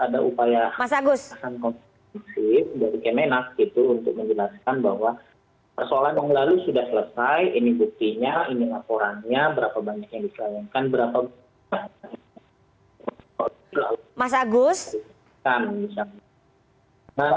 dari kma untuk menjelaskan bahwa persoalan yang lalu sudah selesai ini buktinya ini laporannya berapa banyak yang disayangkan berapa banyak yang disayangkan